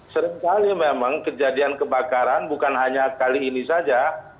seringkali memang kejadian kebakaran bukan hanya kali ini saja